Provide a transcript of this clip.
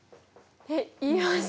えっ言いました。